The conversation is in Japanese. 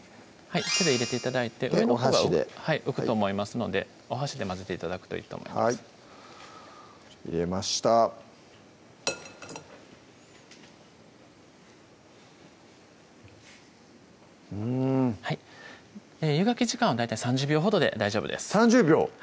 手で入れて頂いて上のほうが浮くと思いますのでお箸で混ぜて頂くといいと思います入れましたうん湯がき時間は大体３０秒ほどで大丈夫です３０秒？